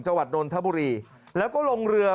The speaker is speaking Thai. นนทบุรีแล้วก็ลงเรือ